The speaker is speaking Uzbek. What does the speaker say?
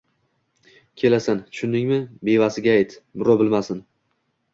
kelasan, tushundingmi? Bevasiga ayt, birov bilmasin.